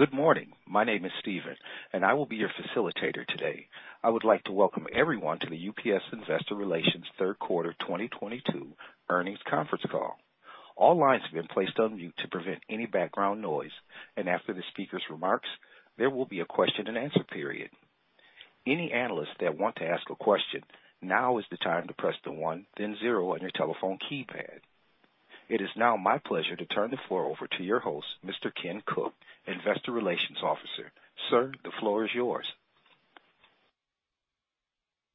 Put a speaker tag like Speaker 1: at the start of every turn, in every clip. Speaker 1: Good morning. My name is Steven, and I will be your facilitator today. I would like to welcome everyone to the UPS Investor Relations Third Quarter 2022 Earnings Conference Call. All lines have been placed on mute to prevent any background noise, and after the speaker's remarks, there will be a question-and-answer period. Any analysts that want to ask a question, now is the time to press the one, then zero on your telephone keypad. It is now my pleasure to turn the floor over to your host, Mr. Ken Cook, Investor Relations Officer. Sir, the floor is yours.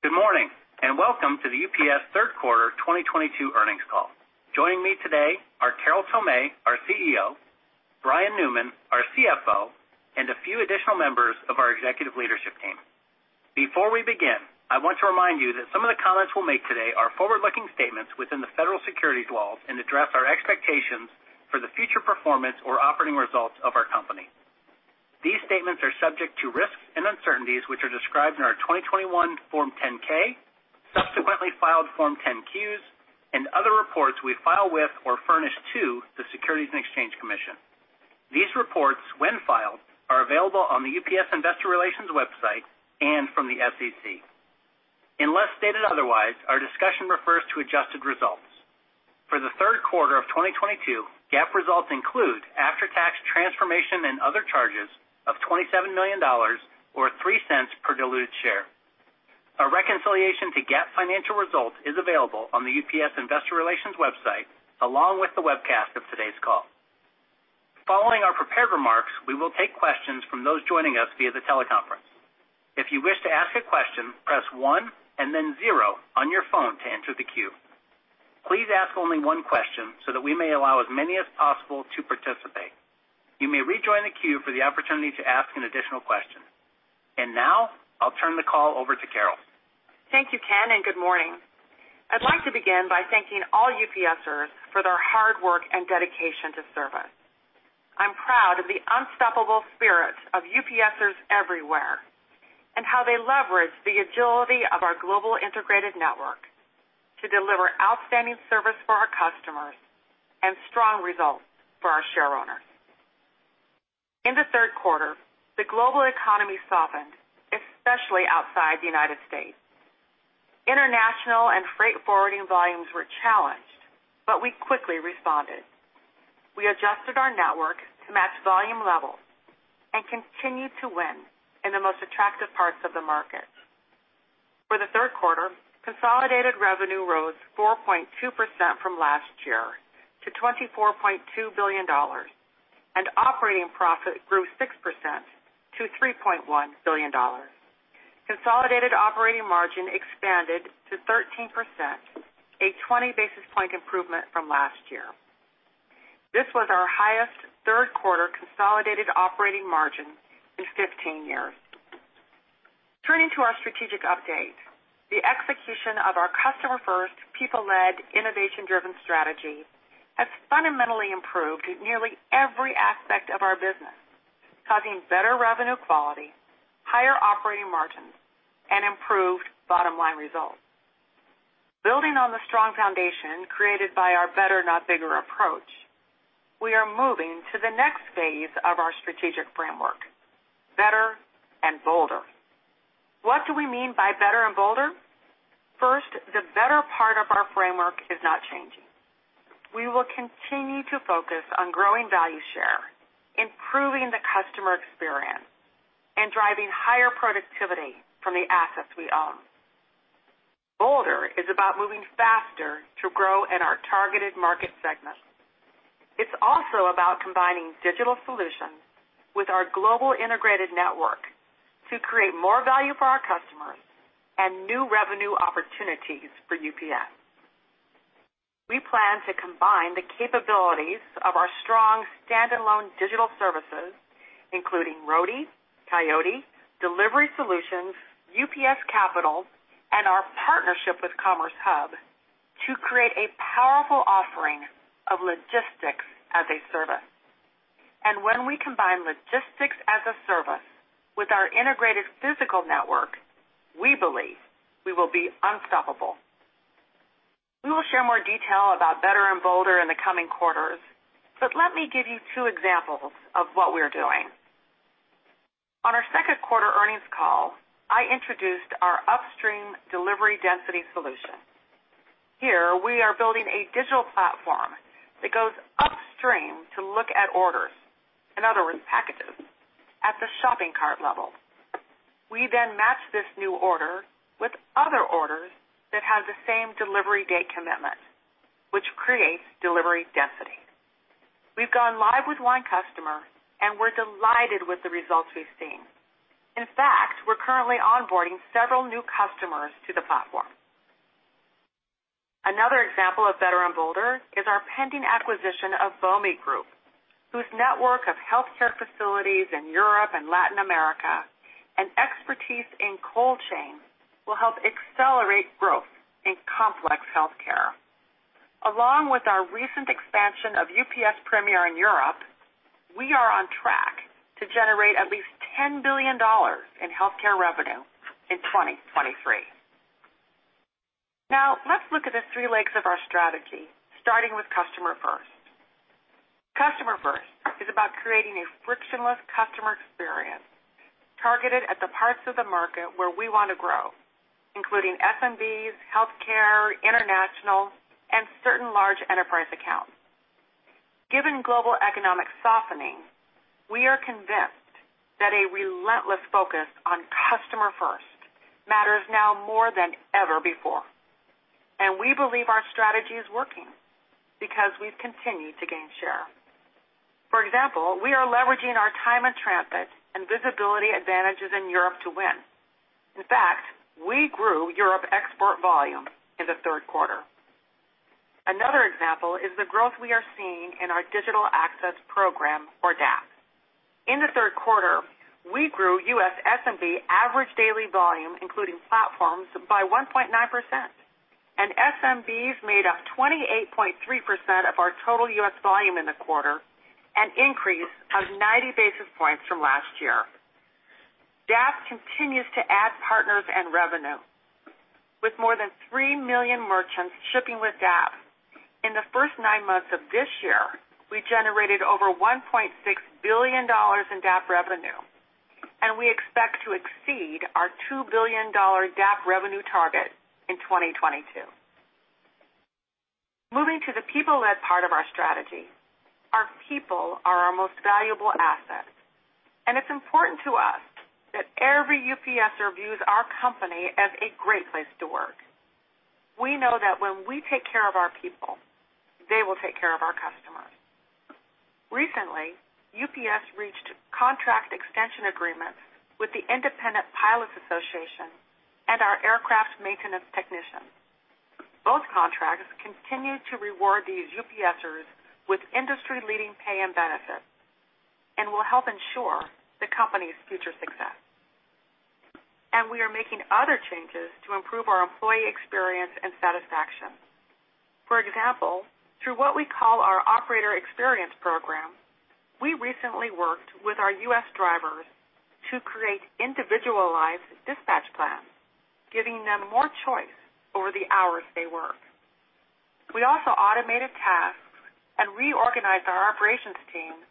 Speaker 2: Good morning and welcome to the UPS third quarter 2022 earnings call. Joining me today are Carol Tomé, our CEO, Brian Newman, our CFO, and a few additional members of our executive leadership team. Before we begin, I want to remind you that some of the comments we'll make today are forward-looking statements within the federal securities laws and address our expectations for the future performance or operating results of our company. These statements are subject to risks and uncertainties, which are described in our 2021 Form 10-K, subsequently filed Form 10-Q, and other reports we file with or furnish to the Securities and Exchange Commission. These reports, when filed, are available on the UPS Investor Relations website and from the SEC. Unless stated otherwise, our discussion refers to adjusted results. For the third quarter of 2022, GAAP results include after-tax transformation and other charges of $27 million or $0.03 per diluted share. A reconciliation to GAAP financial results is available on the UPS Investor Relations website, along with the webcast of today's call. Following our prepared remarks, we will take questions from those joining us via the teleconference. If you wish to ask a question, press one and then zero on your phone to enter the queue. Please ask only one question so that we may allow as many as possible to participate. You may rejoin the queue for the opportunity to ask an additional question. Now I'll turn the call over to Carol.
Speaker 3: Thank you, Ken, and good morning. I'd like to begin by thanking all UPSers for their hard work and dedication to service. I'm proud of the unstoppable spirit of UPSers everywhere and how they leverage the agility of our global integrated network to deliver outstanding service for our customers and strong results for our shareowners. In the third quarter, the global economy softened, especially outside the United States. International and freight forwarding volumes were challenged, but we quickly responded. We adjusted our network to match volume levels and continued to win in the most attractive parts of the market. For the third quarter, consolidated revenue rose 4.2% from last year to $24.2 billion, and operating profit grew 6% to $3.1 billion. Consolidated operating margin expanded to 13%, a 20 basis point improvement from last year. This was our highest third quarter consolidated operating margin in 15 years. Turning to our strategic update, the execution of our customer-first, people-led, innovation-driven strategy has fundamentally improved nearly every aspect of our business, causing better revenue quality, higher operating margins, and improved bottom-line results. Building on the strong foundation created by our better, not bigger approach, we are moving to the next phase of our strategic framework, better and bolder. What do we mean by better and bolder? First, the better part of our framework is not changing. We will continue to focus on growing value share, improving the customer experience, and driving higher productivity from the assets we own. Bolder is about moving faster to grow in our targeted market segments. It's also about combining digital solutions with our global integrated network to create more value for our customers and new revenue opportunities for UPS. We plan to combine the capabilities of our strong standalone digital services, including Roadie, Coyote, Delivery Solutions, UPS Capital, and our partnership with CommerceHub, to create a powerful offering of logistics as a service. When we combine logistics as a service with our integrated physical network, we believe we will be unstoppable. We will share more detail about Better and Bolder in the coming quarters, but let me give you two examples of what we're doing. On our second quarter earnings call, I introduced our upstream delivery density solution. Here we are building a digital platform that goes upstream to look at orders, in other words, packages at the shopping cart level. We then match this new order with other orders that have the same delivery date commitment, which creates delivery density. We've gone live with one customer, and we're delighted with the results we've seen. In fact, we're currently onboarding several new customers to the platform. Another example of Better and Bolder is our pending acquisition of Bomi Group, whose network of healthcare facilities in Europe and Latin America and expertise in cold chain will help accelerate growth in complex healthcare. Along with our recent expansion of UPS Premier in Europe, we are on track to generate at least $10 billion in healthcare revenue in 2023. Now let's look at the three legs of our strategy, starting with customer first. Customer first is about creating a frictionless customer experience targeted at the parts of the market where we wanna grow, including SMBs, healthcare, international, and certain large enterprise accounts. Given global economic softening, we are convinced that a relentless focus on customer first matters now more than ever before. We believe our strategy is working because we've continued to gain share. For example, we are leveraging our time on transit and visibility advantages in Europe to win. In fact, we grew Europe export volume in the third quarter. Another example is the growth we are seeing in our Digital Access Program or DAP. In the third quarter, we grew U.S. SMB average daily volume, including platforms by 1.9%. SMBs made up 28.3% of our total U.S. volume in the quarter, an increase of 90 basis points from last year. DAP continues to add partners and revenue. With more than three million merchants shipping with DAP, in the first nine months of this year, we generated over $1.6 billion in DAP revenue, and we expect to exceed our $2 billion DAP revenue target in 2022. Moving to the people-led part of our strategy. Our people are our most valuable asset, and it's important to us that every UPSer views our company as a great place to work. We know that when we take care of our people, they will take care of our customers. Recently, UPS reached contract extension agreements with the Independent Pilots Association and our aircraft maintenance technicians. Both contracts continue to reward these UPSers with industry-leading pay and benefits and will help ensure the company's future success. We are making other changes to improve our employee experience and satisfaction. For example, through what we call our operator experience program, we recently worked with our U.S. drivers to create individualized dispatch plans, giving them more choice over the hours they work. We also automated tasks and reorganized our operations team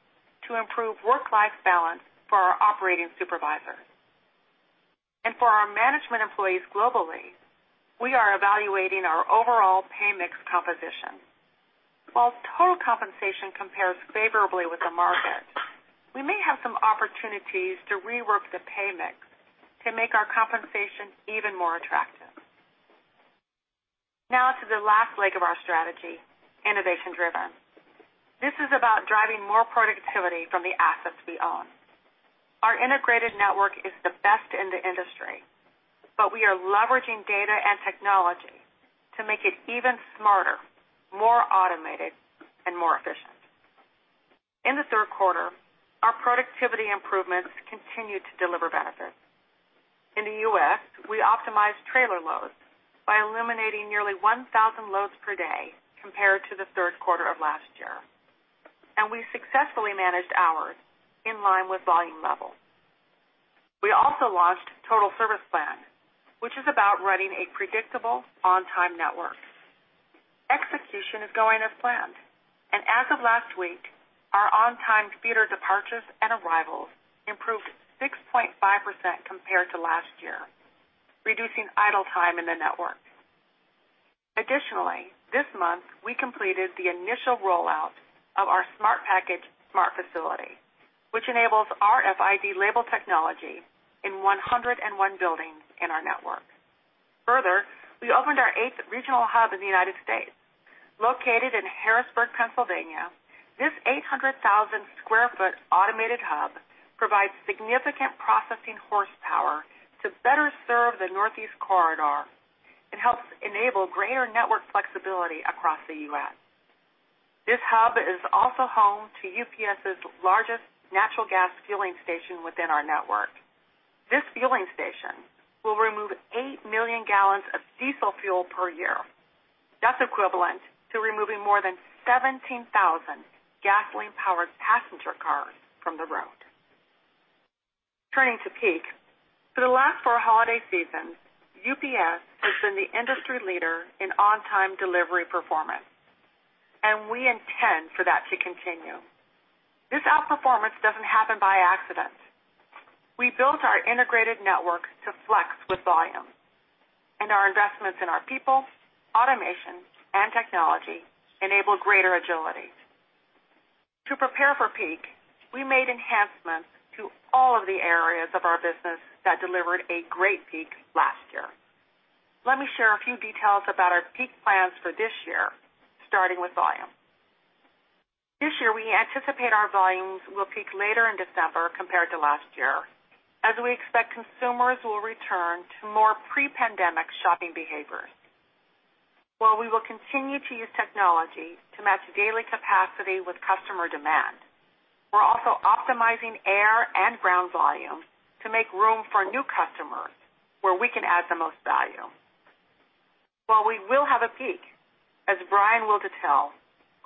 Speaker 3: to improve work-life balance for our operating supervisors. For our management employees globally, we are evaluating our overall pay mix composition. While total compensation compares favorably with the market, we may have some opportunities to rework the pay mix to make our compensation even more attractive. Now to the last leg of our strategy, innovation driven. This is about driving more productivity from the assets we own. Our integrated network is the best in the industry, but we are leveraging data and technology to make it even smarter, more automated and more efficient. In the third quarter, our productivity improvements continued to deliver benefits. In the U.S., we optimized trailer loads by eliminating nearly 1,000 loads per day compared to the third quarter of last year, and we successfully managed hours in line with volume levels. We also launched Total Service Plan, which is about running a predictable on-time network. Execution is going as planned, and as of last week, our on-time trailer departures and arrivals improved 6.5% compared to last year, reducing idle time in the network. Additionally, this month, we completed the initial rollout of our Smart Package, Smart Facility, which enables RFID label technology in 101 buildings in our network. Further, we opened our eighth regional hub in the United States. Located in Harrisburg, Pennsylvania, this 800,000 sq ft automated hub provides significant processing horsepower to better serve the Northeast Corridor and helps enable greater network flexibility across the U.S. This hub is also home to UPS's largest natural gas fueling station within our network. This fueling station will remove 8 million gallons of diesel fuel per year. That's equivalent to removing more than 17,000 gasoline-powered passenger cars from the road. Turning to peak. For the last four holiday seasons, UPS has been the industry leader in on-time delivery performance, and we intend for that to continue. This outperformance doesn't happen by accident. We built our integrated network to flex with volume, and our investments in our people, automation, and technology enable greater agility. To prepare for peak, we made enhancements to all of the areas of our business that delivered a great peak last year. Let me share a few details about our peak plans for this year, starting with volume. This year, we anticipate our volumes will peak later in December compared to last year, as we expect consumers will return to more pre-pandemic shopping behaviors. While we will continue to use technology to match daily capacity with customer demand, we're also optimizing air and ground volume to make room for new customers where we can add the most value. While we will have a peak. As Brian will detail,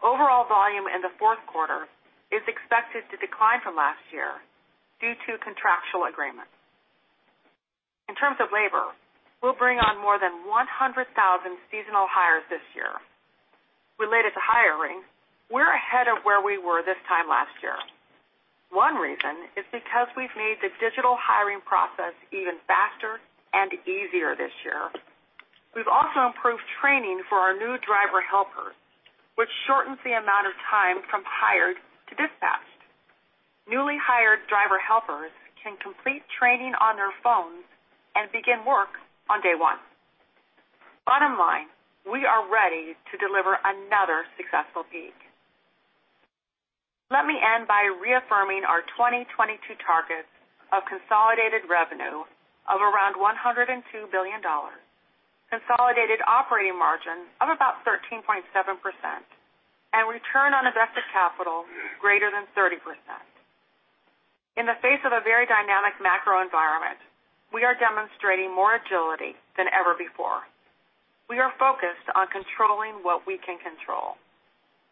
Speaker 3: overall volume in the fourth quarter is expected to decline from last year due to contractual agreements. In terms of labor, we'll bring on more than 100,000 seasonal hires this year. Related to hiring, we're ahead of where we were this time last year. One reason is because we've made the digital hiring process even faster and easier this year. We've also improved training for our new driver helpers, which shortens the amount of time from hired to dispatched. Newly hired driver helpers can complete training on their phones and begin work on day one. Bottom line, we are ready to deliver another successful peak. Let me end by reaffirming our 2022 targets of consolidated revenue of around $102 billion, consolidated operating margin of about 13.7%, and return on invested capital greater than 30%. In the face of a very dynamic macro environment, we are demonstrating more agility than ever before. We are focused on controlling what we can control.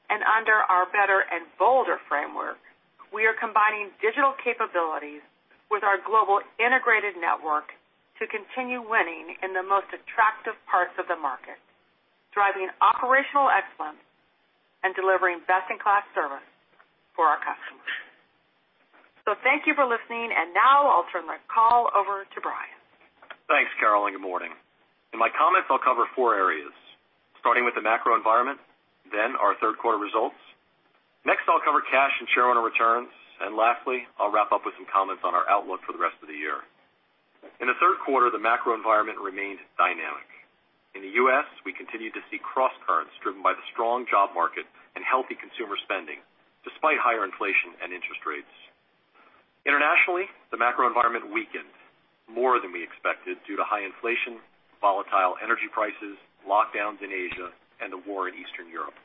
Speaker 3: Under our better and bolder framework, we are combining digital capabilities with our global integrated network to continue winning in the most attractive parts of the market, driving operational excellence and delivering best-in-class service for our customers. Thank you for listening. Now I'll turn the call over to Brian.
Speaker 4: Thanks, Carol, and good morning. In my comments, I'll cover four areas, starting with the macro environment, then our third quarter results. Next, I'll cover cash and share owner returns. Lastly, I'll wrap up with some comments on our outlook for the rest of the year. In the third quarter, the macro environment remained dynamic. In the U.S., we continued to see crosscurrents driven by the strong job market and healthy consumer spending despite higher inflation and interest rates. Internationally, the macro environment weakened more than we expected due to high inflation, volatile energy prices, lockdowns in Asia, and the war in Eastern Europe.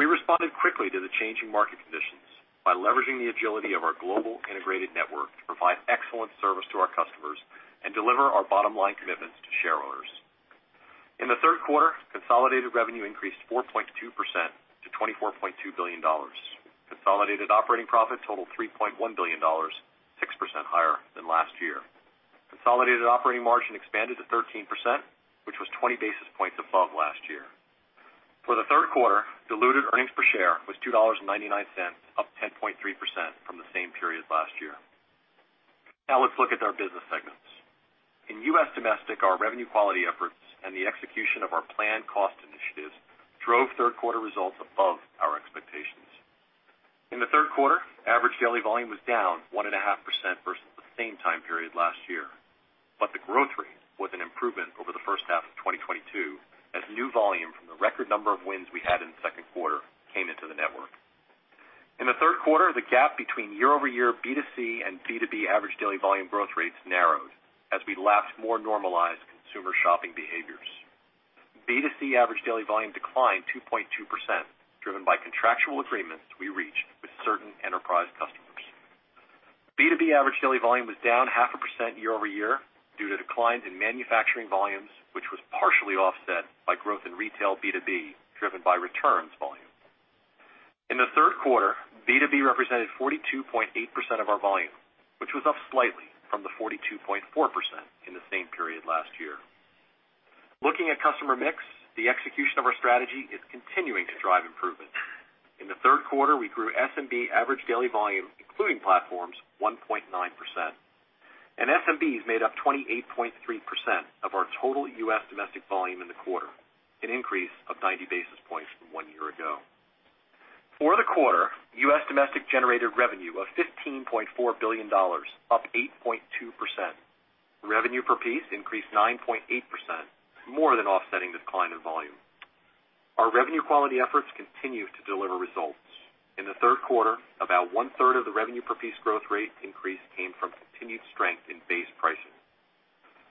Speaker 4: We responded quickly to the changing market conditions by leveraging the agility of our global integrated network to provide excellent service to our customers and deliver our bottom line commitments to share owners. In the third quarter, consolidated revenue increased 4.2% to $24.2 billion. Consolidated operating profit totaled $3.1 billion, 6% higher than last year. Consolidated operating margin expanded to 13%, which was 20 basis points above last year. For the third quarter, diluted earnings per share was $2.99, up 10.3% from the same period last year. Now let's look at our business segments. In U.S. domestic, our revenue quality efforts and the execution of our planned cost initiatives drove third quarter results above our expectations. In the third quarter, average daily volume was down 1.5% versus the same time period last year. The growth rate was an improvement over the first half of 2022 as new volume from the record number of wins we had in the second quarter came into the network. In the third quarter, the gap between year-over-year B2C and B2B average daily volume growth rates narrowed as we lapped more normalized consumer shopping behaviors. B2C average daily volume declined 2.2%, driven by contractual agreements we reached with certain enterprise customers. B2B average daily volume was down 0.5% year-over-year due to declines in manufacturing volumes, which was partially offset by growth in retail B2B, driven by returns volume. In the third quarter, B2B represented 42.8% of our volume, which was up slightly from the 42.4% in the same period last year. Looking at customer mix, the execution of our strategy is continuing to drive improvement. In the third quarter, we grew SMB average daily volume, including platforms, 1.9%. SMBs made up 28.3% of our total U.S. domestic volume in the quarter, an increase of 90 basis points from one year ago. For the quarter, U.S. domestic generated revenue of $15.4 billion, up 8.2%. Revenue per piece increased 9.8%, more than offsetting decline in volume. Our revenue quality efforts continue to deliver results. In the third quarter, about one-third of the revenue per piece growth rate increase came from continued strength in base pricing.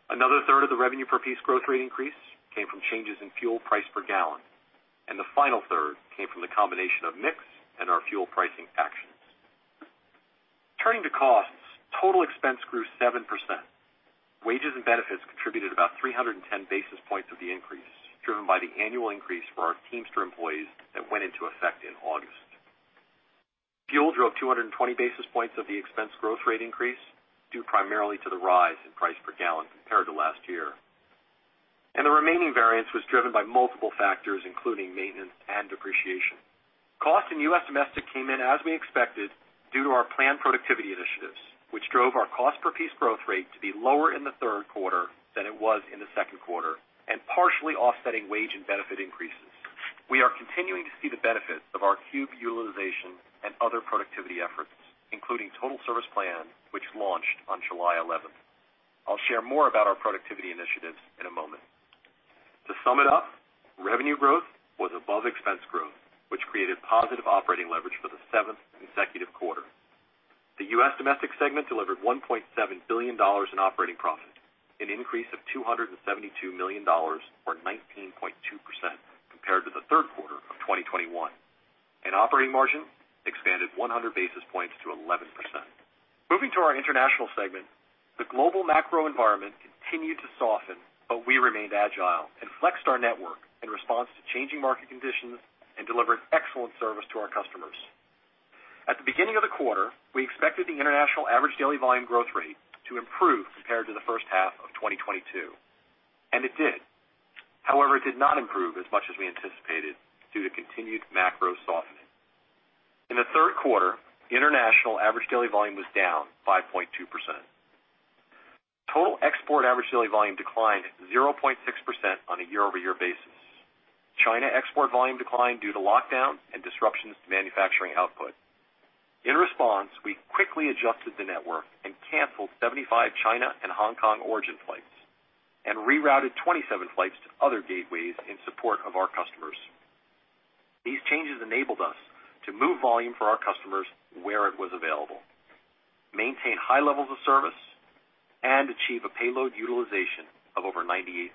Speaker 4: Another third of the revenue per piece growth rate increase came from changes in fuel price per gallon, and the final third came from the combination of mix and our fuel pricing actions. Turning to costs, total expense grew 7%. Wages and benefits contributed about 310 basis points of the increase, driven by the annual increase for our Teamsters employees that went into effect in August. Fuel drove 220 basis points of the expense growth rate increase, due primarily to the rise in price per gallon compared to last year. The remaining variance was driven by multiple factors, including maintenance and depreciation. Cost in U.S. domestic came in as we expected due to our planned productivity initiatives, which drove our cost per piece growth rate to be lower in the third quarter than it was in the second quarter and partially offsetting wage and benefit increases. We are continuing to see the benefits of our cube utilization and other productivity efforts, including Total Service Plan, which launched on July 11. I'll share more about our productivity initiatives in a moment. To sum it up, revenue growth was above expense growth, which created positive operating leverage for the seventh consecutive quarter. The U.S. domestic segment delivered $1.7 billion in operating profit, an increase of $272 million or 19.2% compared to the third quarter of 2021. Operating margin expanded 100 basis points to 11%. Moving to our international segment. The global macro environment continued to soften, but we remained agile and flexed our network in response to changing market conditions and delivered excellent service to our customers. At the beginning of the quarter, we expected the international average daily volume growth rate to improve compared to the first half of 2022, and it did. However, it did not improve as much as we anticipated due to continued macro softening. In the third quarter, international average daily volume was down 5.2%. Total export average daily volume declined 0.6% on a year-over-year basis. China export volume declined due to lockdown and disruptions to manufacturing output. In response, we quickly adjusted the network and canceled 75 China and Hong Kong origin flights and rerouted 27 flights to other gateways in support of our customers. These changes enabled us to move volume for our customers where it was available, maintain high levels of service, and achieve a payload utilization of over 98%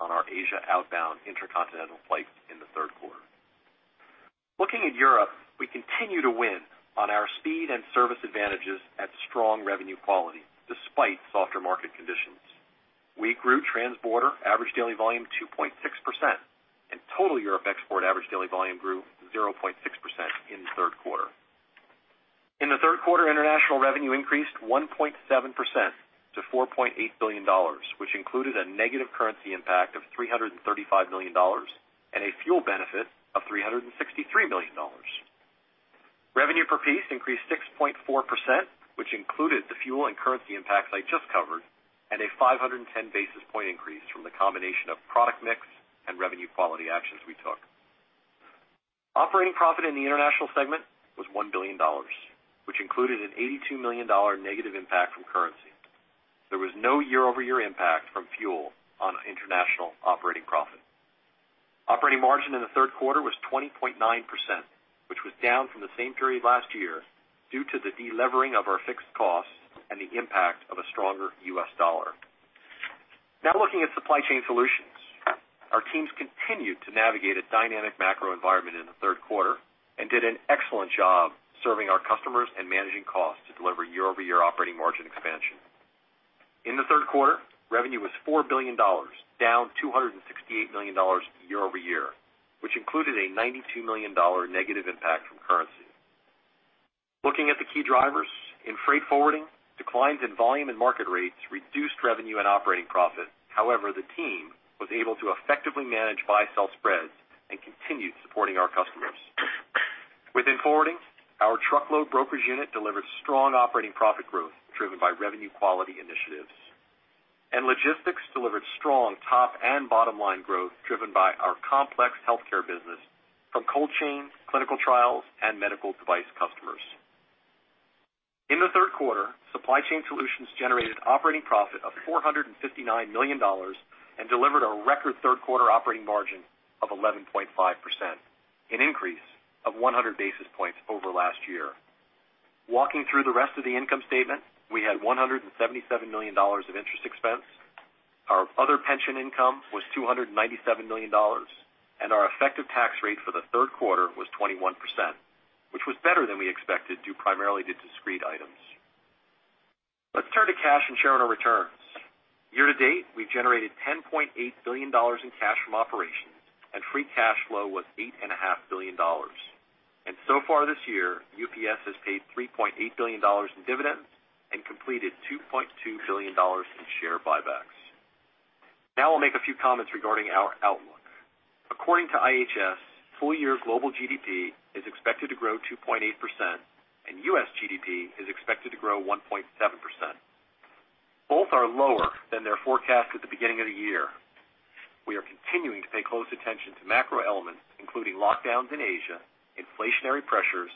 Speaker 4: on our Asia outbound intercontinental flights in the third quarter. Looking at Europe, we continue to win on our speed and service advantages at strong revenue quality despite softer market conditions. We grew transborder average daily volume 2.6%, and total Europe export average daily volume grew 0.6% in the third quarter. In the third quarter, international revenue increased 1.7% to $4.8 billion, which included a negative currency impact of $335 million and a fuel benefit of $363 million. Revenue per piece increased 6.4%, which included the fuel and currency impacts I just covered, and a 510 basis point increase from the combination of product mix and revenue quality actions we took. Operating profit in the international segment was $1 billion, which included an $82 million negative impact from currency. There was no year-over-year impact from fuel on international operating profit. Operating margin in the third quarter was 20.9%, which was down from the same period last year due to the delivering of our fixed costs and the impact of a stronger U.S. dollar. Now looking at supply chain solutions. Our teams continued to navigate a dynamic macro environment in the third quarter and did an excellent job serving our customers and managing costs to deliver year-over-year operating margin expansion. In the third quarter, revenue was $4 billion, down $268 million year-over-year, which included a $92 million negative impact from currency. Looking at the key drivers in freight forwarding, declines in volume and market rates reduced revenue and operating profit. However, the team was able to effectively manage buy-sell spreads and continued supporting our customers. Within forwarding, our truckload brokerage unit delivered strong operating profit growth, driven by revenue quality initiatives. Logistics delivered strong top and bottom line growth driven by our complex healthcare business from cold chain, clinical trials, and medical device customers. In the third quarter, supply chain solutions generated operating profit of $459 million and delivered a record third quarter operating margin of 11.5%, an increase of 100 basis points over last year. Walking through the rest of the income statement, we had $177 million of interest expense. Our other pension income was $297 million. Our effective tax rate for the third quarter was 21%, which was better than we expected due primarily to discrete items. Let's turn to cash and share owner returns. Year to date, we've generated $10.8 billion in cash from operations, and free cash flow was $8.5 billion. So far this year, UPS has paid $3.8 billion in dividends and completed $2.2 billion in share buybacks. Now we'll make a few comments regarding our outlook. According to IHS, full year global GDP is expected to grow 2.8%, and U.S. GDP is expected to grow 1.7%. Both are lower than their forecast at the beginning of the year. We are continuing to pay close attention to macro elements, including lockdowns in Asia, inflationary pressures,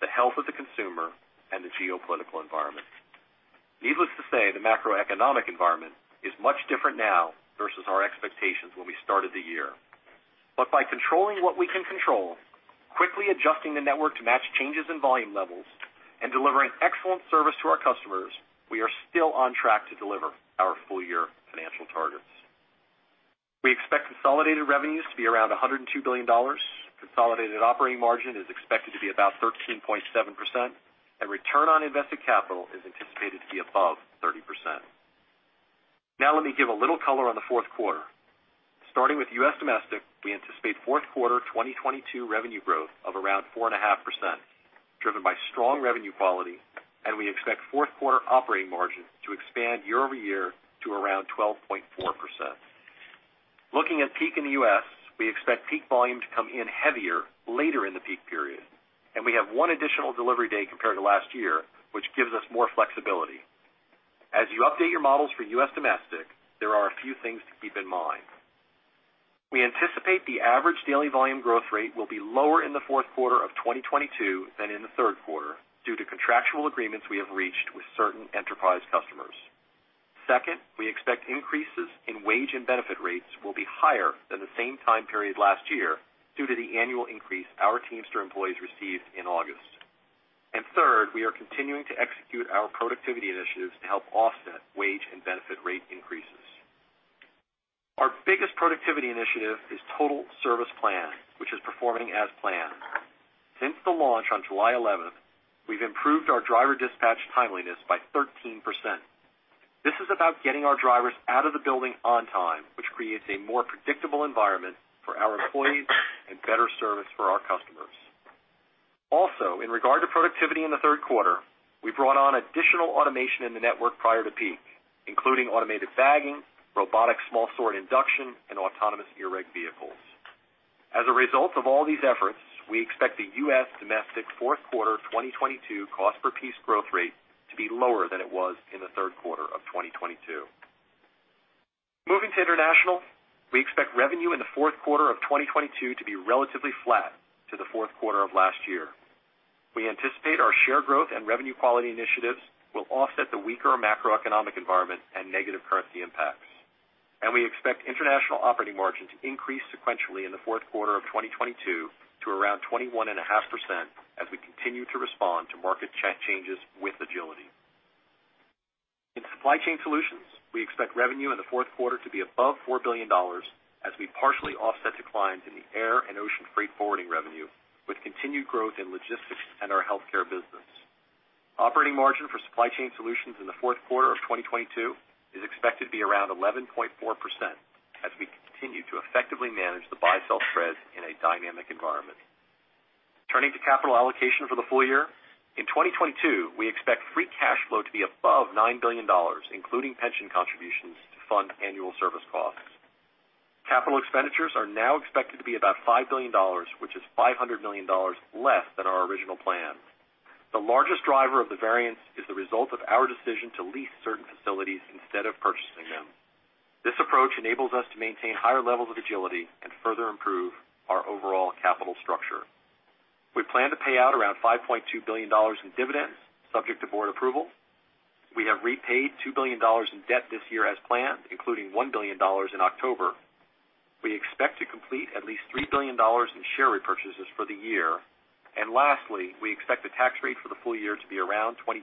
Speaker 4: the health of the consumer, and the geopolitical environment. Needless to say, the macroeconomic environment is much different now versus our expectations when we started the year. By controlling what we can control, quickly adjusting the network to match changes in volume levels, and delivering excellent service to our customers, we are still on track to deliver our full year financial targets. We expect consolidated revenues to be around $102 billion. Consolidated operating margin is expected to be about 13.7%, and return on invested capital is anticipated to be above 30%. Now let me give a little color on the fourth quarter. Starting with U.S. domestic, we anticipate fourth quarter 2022 revenue growth of around 4.5%, driven by strong revenue quality, and we expect fourth quarter operating margin to expand year-over-year to around 12.4%. Looking at peak in the U.S., we expect peak volume to come in heavier later in the peak period, and we have one additional delivery day compared to last year, which gives us more flexibility. As you update your models for U.S. domestic, there are a few things to keep in mind. We anticipate the average daily volume growth rate will be lower in the fourth quarter of 2022 than in the third quarter due to contractual agreements we have reached with certain enterprise customers. Second, we expect increases in wage and benefit rates will be higher than the same time period last year due to the annual increase our Teamster employees received in August. Third, we are continuing to execute our productivity initiatives to help offset wage and benefit rate increases. Our biggest productivity initiative is Total Service Plan, which is performing as planned. Since the launch on July 11, we've improved our driver dispatch timeliness by 13%. This is about getting our drivers out of the building on time, which creates a more predictable environment for our employees and better service for our customers. Also, in regard to productivity in the third quarter, we brought on additional automation in the network prior to peak, including automated bagging, robotic small sort induction, and autonomous guided vehicles. As a result of all these efforts, we expect the U.S. domestic fourth quarter 2022 cost per piece growth rate to be lower than it was in the third quarter of 2022. Moving to international, we expect revenue in the fourth quarter of 2022 to be relatively flat to the fourth quarter of last year. We anticipate our share growth and revenue quality initiatives will offset the weaker macroeconomic environment and negative currency impacts. We expect international operating margin to increase sequentially in the fourth quarter of 2022 to around 21.5% as we continue to respond to market changes with agility. In Supply Chain Solutions, we expect revenue in the fourth quarter to be above $4 billion as we partially offset declines in the air and ocean freight forwarding revenue with continued growth in logistics and our healthcare business. Operating margin for Supply Chain Solutions in the fourth quarter of 2022 is expected to be around 11.4% as we continue to effectively manage the buy-sell spread in a dynamic environment. Turning to capital allocation for the full year, in 2022, we expect free cash flow to be above $9 billion, including pension contributions to fund annual service costs. Capital expenditures are now expected to be about $5 billion, which is $500 million less than our original plan. The largest driver of the variance is the result of our decision to lease certain facilities instead of purchasing them. This approach enables us to maintain higher levels of agility and further improve our overall capital structure. We plan to pay out around $5.2 billion in dividends subject to board approval. We have repaid $2 billion in debt this year as planned, including $1 billion in October. We expect to complete at least $3 billion in share repurchases for the year. Lastly, we expect the tax rate for the full year to be around 22%.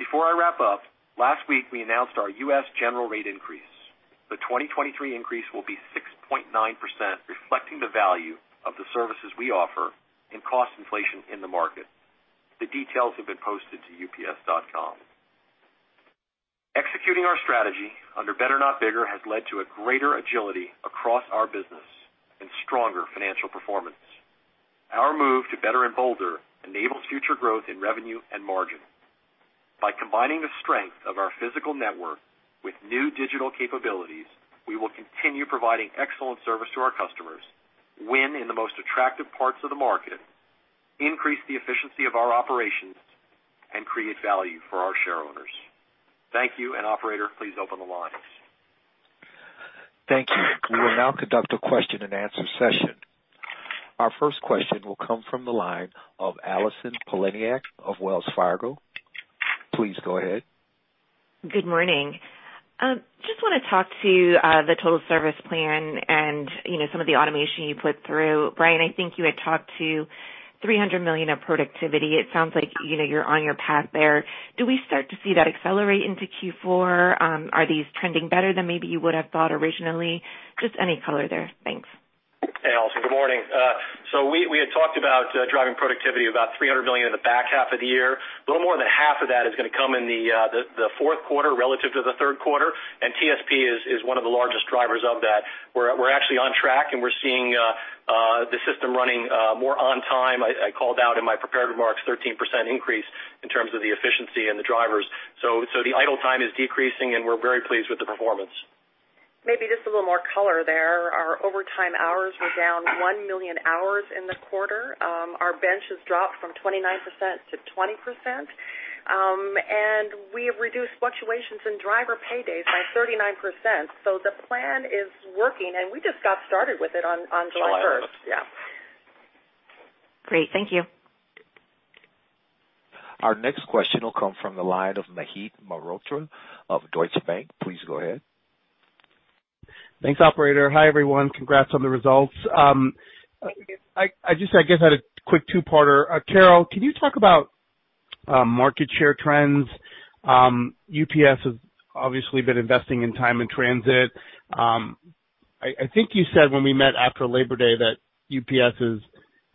Speaker 4: Before I wrap up, last week, we announced our U.S. general rate increase. The 2023 increase will be 6.9%, reflecting the value of the services we offer and cost inflation in the market. The details have been posted to ups.com. Executing our strategy under Better Not Bigger has led to a greater agility across our business and stronger financial performance. Our move to Better and Bolder enables future growth in revenue and margin. By combining the strength of our physical network with new digital capabilities, we will continue providing excellent service to our customers, win in the most attractive parts of the market, increase the efficiency of our operations, and create value for our shareowners. Thank you. Operator, please open the lines.
Speaker 1: Thank you. We will now conduct a question-and-answer session. Our first question will come from the line of Allison Poliniak-Cusic of Wells Fargo. Please go ahead.
Speaker 5: Good morning. Just wanna talk to the Total Service Plan and, you know, some of the automation you put through. Brian, I think you had talked to $300 million of productivity. It sounds like, you know, you're on your path there. Do we start to see that accelerate into Q4? Are these trending better than maybe you would have thought originally? Just any color there. Thanks.
Speaker 4: Hey, Allison. Good morning. So we had talked about driving productivity about $300 million in the back half of the year. A little more than half of that is gonna come in the fourth quarter relative to the third quarter, and TSP is one of the largest drivers of that. We're actually on track, and we're seeing the system running more on time. I called out in my prepared remarks 13% increase in terms of the efficiency and the drivers. The idle time is decreasing, and we're very pleased with the performance.
Speaker 3: Maybe just a little more color there. Our overtime hours were down one million hours in the quarter. Our bench has dropped from 29% to 20%. We have reduced fluctuations in driver pay days by 39%. The plan is working, and we just got started with it on July 1st.
Speaker 4: July 1st.
Speaker 3: Yeah.
Speaker 5: Great. Thank you.
Speaker 1: Our next question will come from the line of Amit Mehrotra of Deutsche Bank. Please go ahead.
Speaker 6: Thanks, operator. Hi, everyone. Congrats on the results. I just, I guess, had a quick two-parter. Carol, can you talk about market share trends? UPS has obviously been investing in time-in-transit. I think you said when we met after Labor Day that UPS is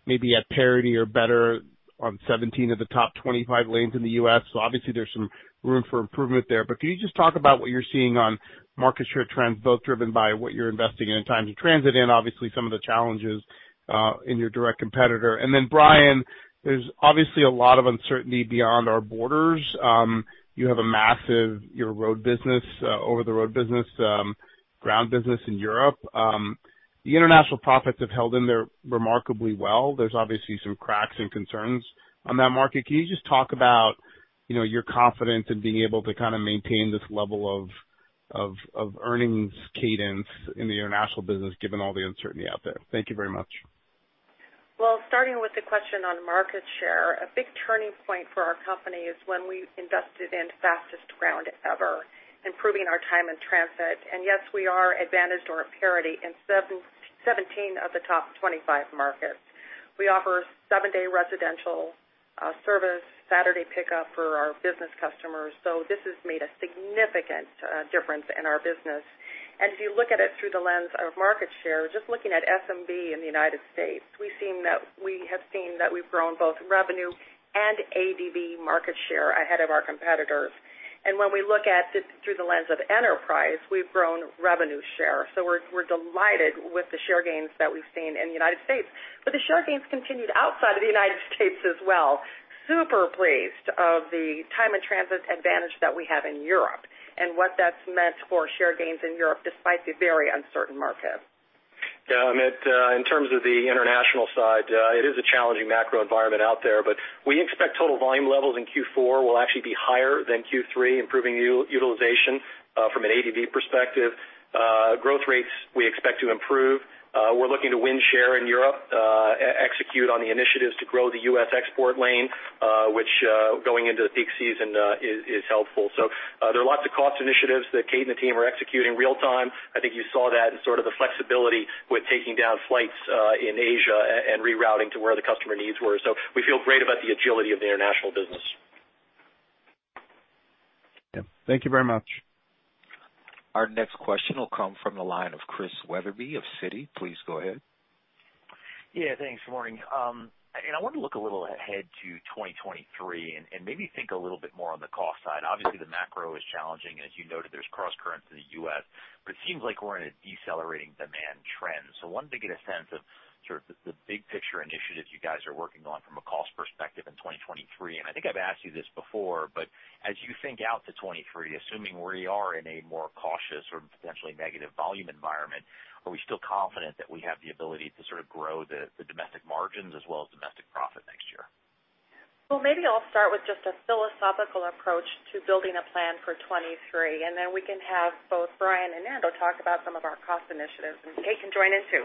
Speaker 6: maybe at parity or better on 17 of the top 25 lanes in the U.S., so obviously there's some room for improvement there. But can you just talk about what you're seeing on market share trends, both driven by what you're investing in in time-in-transit and obviously some of the challenges in your direct competitor? Then Brian, there's obviously a lot of uncertainty beyond our borders. You have a massive over-the-road business, ground business in Europe. The international profits have held in there remarkably well. There's obviously some cracks and concerns on that market. Can you just talk about, you know, your confidence in being able to kind of maintain this level of earnings cadence in the international business given all the uncertainty out there? Thank you very much.
Speaker 3: Well, starting with the question on market share, a big turning point for our company is when we invested in Fastest Ground Ever, improving our time in transit. Yes, we are advantaged or at parity in 17 of the top 25 markets. We offer seven-day residential service Saturday pickup for our business customers. This has made a significant difference in our business. If you look at it through the lens of market share, just looking at SMB in the United States, we've seen that we've grown both revenue and ADB market share ahead of our competitors. When we look at it through the lens of enterprise, we've grown revenue share. We're delighted with the share gains that we've seen in the United States. The share gains continued outside of the United States as well. Super pleased of the time and transit advantage that we have in Europe and what that's meant for share gains in Europe despite the very uncertain market.
Speaker 4: Yeah, Amit, in terms of the international side, it is a challenging macro environment out there, but we expect total volume levels in Q4 will actually be higher than Q3, improving utilization from an ADB perspective. Growth rates we expect to improve. We're looking to win share in Europe, execute on the initiatives to grow the U.S. export lane, which, going into the peak season, is helpful. There are lots of cost initiatives that Kate and the team are executing real time. I think you saw that in sort of the flexibility with taking down flights in Asia and rerouting to where the customer needs were. We feel great about the agility of the international business.
Speaker 6: Yeah. Thank you very much.
Speaker 1: Our next question will come from the line of Christian Wetherbee of Citi. Please go ahead.
Speaker 7: Yeah, thanks. Morning. I want to look a little ahead to 2023 and maybe think a little bit more on the cost side. Obviously, the macro is challenging, and as you noted, there's crosscurrents in the U.S., but it seems like we're in a decelerating demand trend. Wanted to get a sense of sort of the big picture initiatives you guys are working on from a cost perspective in 2023. I think I've asked you this before, but as you think out to 2023, assuming we are in a more cautious or potentially negative volume environment, are we still confident that we have the ability to sort of grow the domestic margins as well as domestic profit next year?
Speaker 3: Well, maybe I'll start with just a philosophical approach to building a plan for 2023, and then we can have both Brian and Nando talk about some of our cost initiatives, and Kate can join in, too.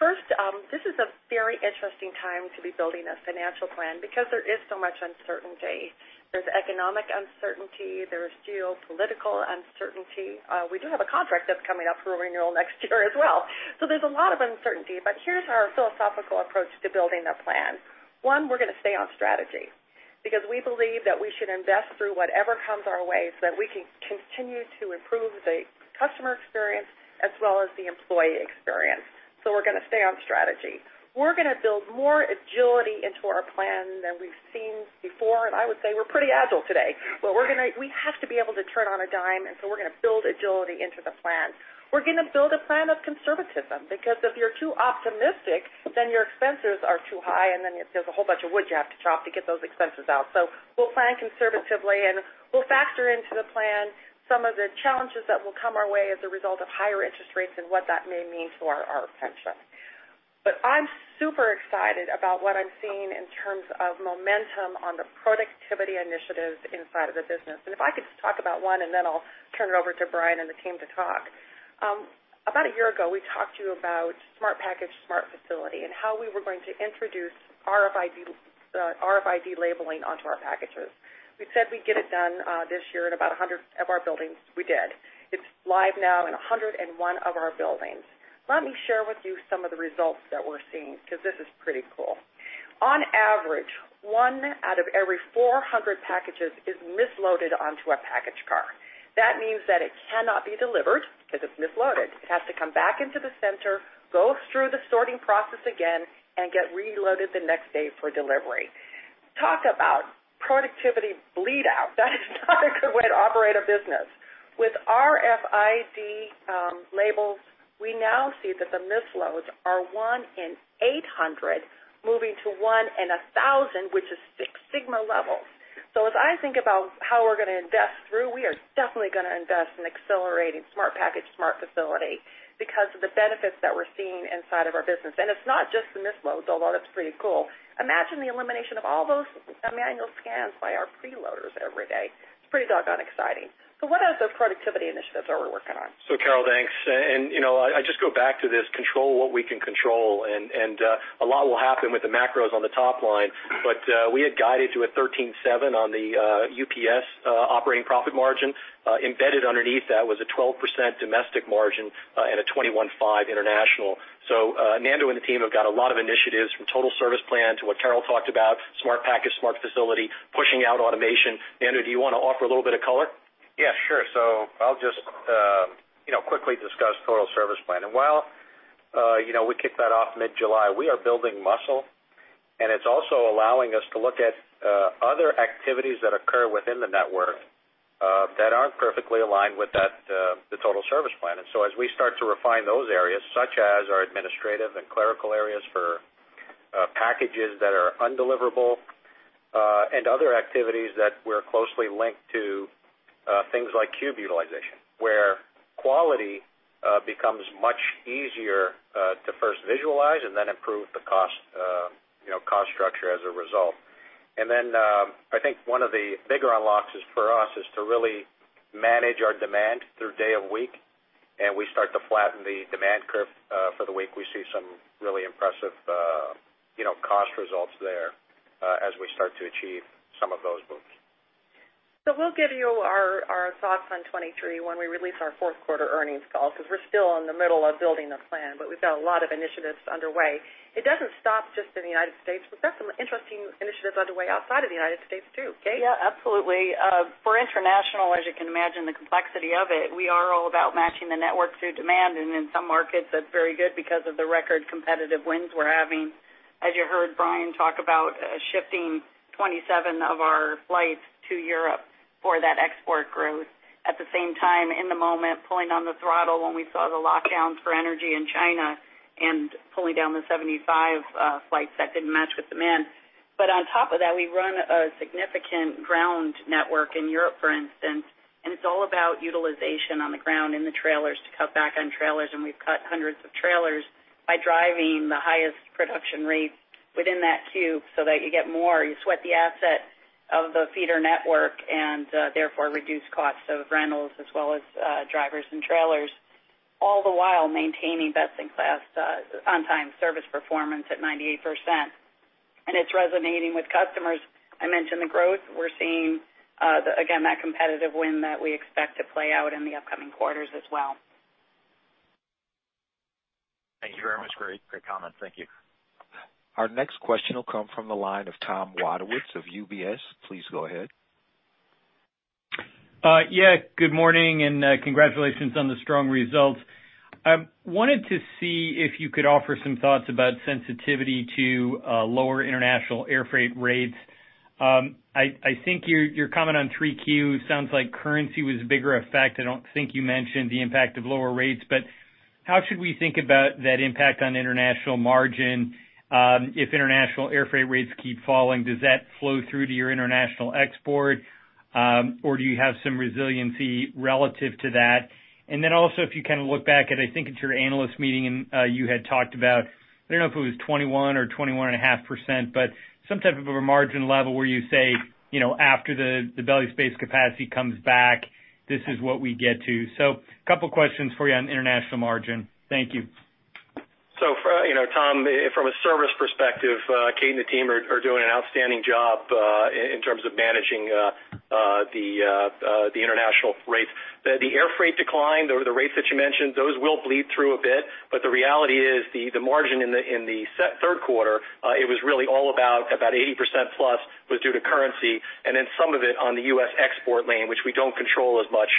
Speaker 3: First, this is a very interesting time to be building a financial plan because there is so much uncertainty. There's economic uncertainty. There's geopolitical uncertainty. We do have a contract that's coming up for renewal next year as well. There's a lot of uncertainty, but here's our philosophical approach to building a plan. One, we're gonna stay on strategy because we believe that we should invest through whatever comes our way so that we can continue to improve the customer experience as well as the employee experience. We're gonna stay on strategy. We're gonna build more agility into our plan than we've seen before, and I would say we're pretty agile today. We have to be able to turn on a dime, and so we're gonna build agility into the plan. We're gonna build a plan of conservatism because if you're too optimistic, then your expenses are too high, and then there's a whole bunch of wood you have to chop to get those expenses out. We'll plan conservatively, and we'll factor into the plan some of the challenges that will come our way as a result of higher interest rates and what that may mean to our pension. I'm super excited about what I'm seeing in terms of momentum on the productivity initiatives inside of the business. If I could just talk about one, and then I'll turn it over to Brian and the team to talk. About a year ago, we talked to you about Smart Package, Smart Facility and how we were going to introduce RFID labeling onto our packages. We said we'd get it done this year in about 100 of our buildings. We did. It's live now in 101 of our buildings. Let me share with you some of the results that we're seeing because this is pretty cool. On average, one out of every 400 packages is misloaded onto a package car. That means that it cannot be delivered because it's misloaded. It has to come back into the center, go through the sorting process again, and get reloaded the next day for delivery. Talk about productivity bleed out. That is not a good way to operate a business. With RFID labels, we now see that the misloads are one in 800 moving to one in 1,000, which is Six Sigma levels. As I think about how we're gonna invest through, we are definitely gonna invest in accelerating Smart Package, Smart Facility because of the benefits that we're seeing inside of our business. It's not just the misloads, although that's pretty cool. Imagine the elimination of all those manual scans by our preloaders every day. It's pretty doggone exciting. What other productivity initiatives are we working on?
Speaker 4: Carol, thanks. I just go back to this control what we can control, a lot will happen with the macros on the top line. We had guided to a 13.7% UPS operating profit margin. Embedded underneath that was a 12% domestic margin and a 21.5% international. Nando and the team have got a lot of initiatives from Total Service Plan to what Carol talked about, Smart Package, Smart Facility, pushing out automation. Nando, do you wanna offer a little bit of color?
Speaker 8: Yeah, sure. I'll just, you know, quickly discuss Total Service Plan. While, you know, we kicked that off mid-July, we are building muscle, and it's also allowing us to look at other activities that occur within the network that aren't perfectly aligned with that the Total Service Plan. As we start to refine those areas, such as our administrative and clerical areas for packages that are undeliverable, and other activities that we're closely linked to, things like cube utilization, where quality becomes much easier to first visualize and then improve the cost, you know, cost structure as a result. I think one of the bigger unlocks is for us to really manage our demand through day of week, and we start to flatten the demand curve for the week. We see some really impressive, you know, cost results there, as we start to achieve some of those moves.
Speaker 3: We'll give you our thoughts on 23 when we release our fourth quarter earnings call, because we're still in the middle of building a plan, but we've got a lot of initiatives underway. It doesn't stop just in the United States. We've got some interesting initiatives underway outside of the United States, too. Kate?
Speaker 9: Yeah, absolutely. For international, as you can imagine the complexity of it, we are all about matching the network to demand. In some markets, that's very good because of the record competitive wins we're having. As you heard Brian talk about, shifting 27 of our flights to Europe for that export growth. At the same time, in the moment, pulling on the throttle when we saw the lockdowns for energy in China and pulling down the 75 flights that didn't match with demand. On top of that, we run a significant ground network in Europe, for instance, and it's all about utilization on the ground in the trailers to cut back on trailers. We've cut hundreds of trailers by driving the highest production rate within that queue so that you get more. You sweat the asset of the feeder network and, therefore, reduce costs of rentals as well as, drivers and trailers, all the while maintaining best-in-class, on-time service performance at 98%. It's resonating with customers. I mentioned the growth we're seeing, again, that competitive win that we expect to play out in the upcoming quarters as well.
Speaker 8: Thank you very much. Great comment. Thank you.
Speaker 1: Our next question will come from the line of Tom Wadewitz of UBS. Please go ahead.
Speaker 10: Yeah, good morning and congratulations on the strong results. I wanted to see if you could offer some thoughts about sensitivity to lower international air freight rates. I think your comment on 3Q sounds like currency was a bigger effect. I don't think you mentioned the impact of lower rates, but how should we think about that impact on international margin? If international air freight rates keep falling, does that flow through to your international export, or do you have some resiliency relative to that? If you kind of look back at, I think it's your analyst meeting, and you had talked about, I don't know if it was 21 or 21.5%, but some type of a margin level where you say, you know, after the belly space capacity comes back, this is what we get to. A couple questions for you on international margin. Thank you.
Speaker 4: You know, Tom, from a service perspective, Kate and the team are doing an outstanding job in terms of managing the international rates. The air freight decline or the rates that you mentioned, those will bleed through a bit. The reality is the margin in the third quarter, it was really all about 80% plus was due to currency and then some of it on the U.S. export lane, which we don't control as much.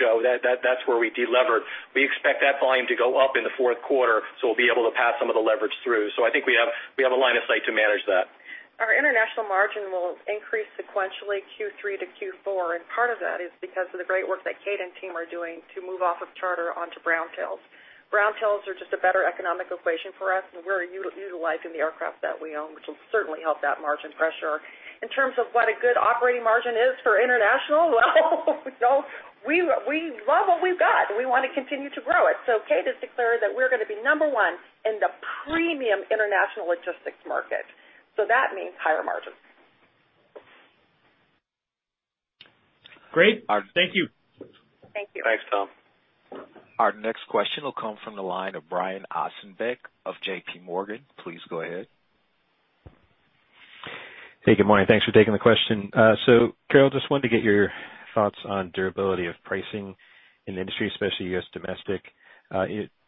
Speaker 4: That's where we deliver. We expect that volume to go up in the fourth quarter, so we'll be able to pass some of the leverage through. I think we have a line of sight to manage that.
Speaker 3: Our international margin will increase sequentially Q3 to Q4, and part of that is because of the great work that Kate and team are doing to move off of charter onto Brown tails. Brown tails are just a better economic equation for us, and we're utilizing the aircraft that we own, which will certainly help that margin pressure. In terms of what a good operating margin is for international, well, we don't. We love what we've got, and we want to continue to grow it. Kate has declared that we're going to be number one in the premium international logistics market. That means higher margins.
Speaker 10: Great. Thank you.
Speaker 3: Thank you.
Speaker 4: Thanks, Tom.
Speaker 1: Our next question will come from the line of Brian Ossenbeck of JP Morgan. Please go ahead.
Speaker 11: Hey, good morning. Thanks for taking the question. Carol, just wanted to get your thoughts on durability of pricing in the industry, especially U.S. domestic.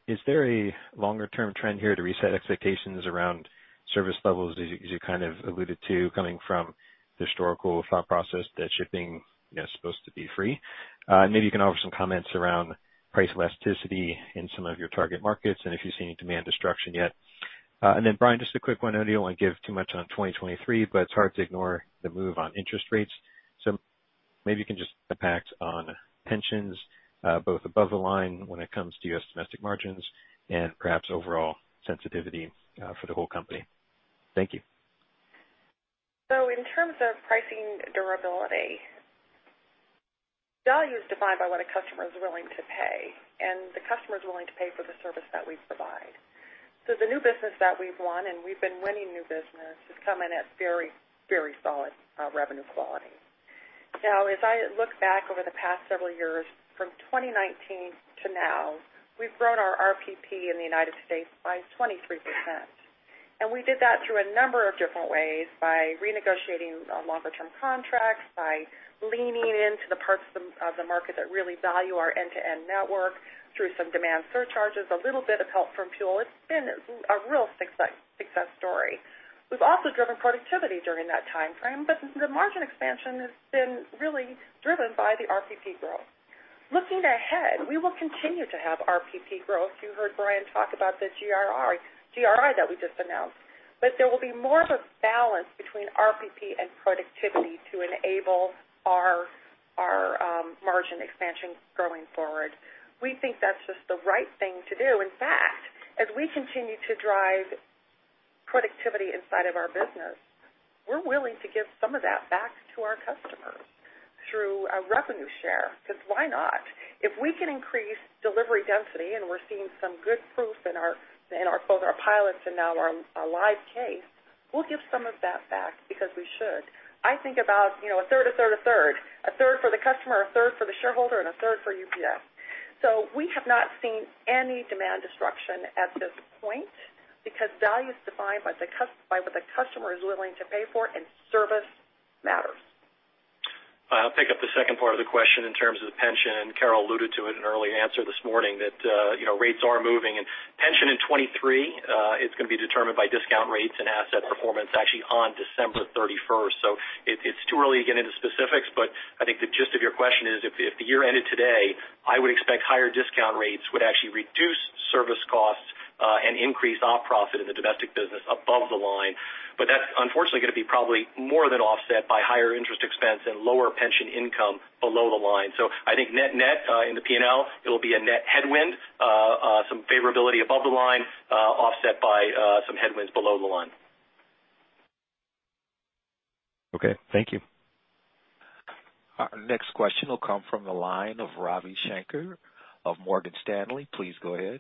Speaker 11: Is there a longer-term trend here to reset expectations around service levels, as you kind of alluded to coming from the historical thought process that shipping is supposed to be free? Maybe you can offer some comments around price elasticity in some of your target markets and if you see any demand destruction yet. Brian, just a quick one. I know you don't want to give too much on 2023, but it's hard to ignore the move on interest rates. Maybe you can just impact on pensions, both above the line when it comes to U.S. domestic margins and perhaps overall sensitivity for the whole company. Thank you.
Speaker 3: In terms of pricing durability, value is defined by what a customer is willing to pay, and the customer is willing to pay for the service that we provide. The new business that we've won, and we've been winning new business, is coming at very, very solid revenue quality. Now, as I look back over the past several years, from 2019 to now, we've grown our RPP in the United States by 23%. We did that through a number of different ways, by renegotiating longer term contracts, by leaning into the parts of the market that really value our end-to-end network through some demand surcharges, a little bit of help from fuel. It's been a real success story. We've also driven productivity during that time frame, but the margin expansion has been really driven by the RPP growth. Looking ahead, we will continue to have RPP growth. You heard Brian talk about the GRI that we just announced. There will be more of a balance between RPP and productivity to enable our margin expansion going forward. We think that's just the right thing to do. In fact, as we continue to drive productivity inside of our business, we're willing to give some of that back to our customers through a revenue share, because why not? If we can increase delivery density, and we're seeing some good proof in both our pilots and now our live case, we'll give some of that back because we should. I think about, you know, a third. A third for the customer, a third for the shareholder, and a third for UPS. We have not seen any demand disruption at this point because value is defined by what the customer is willing to pay for and service matters.
Speaker 4: I'll pick up the second part of the question in terms of the pension, and Carol alluded to it in an early answer this morning that, you know, rates are moving. Pension in 2023, it's gonna be determined by discount rates and asset performance actually on December thirty-first. It's too early to get into specifics, but I think the gist of your question is if the year ended today, I would expect higher discount rates would actually reduce service costs, and increase op profit in the domestic business above the line. That's unfortunately gonna be probably more than offset by higher interest expense and lower pension income below the line. I think net-net, in the P&L, it'll be a net headwind, some favorability above the line, offset by, some headwinds below the line.
Speaker 11: Okay, thank you.
Speaker 1: Our next question will come from the line of Ravi Shanker of Morgan Stanley. Please go ahead.